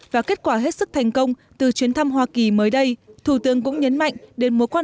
và kết quả hết sức thành công từ chuyến thăm hoa kỳ mới đây thủ tướng cũng nhấn mạnh đến mối quan